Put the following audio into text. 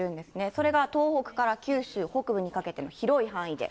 それが東北から九州北部にかけての広い範囲で、